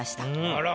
あら。